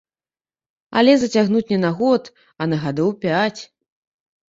Але зацягнуць не на год, а на гадоў пяць.